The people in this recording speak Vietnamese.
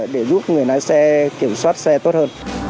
để giúp người lái xe kiểm soát xe tốt hơn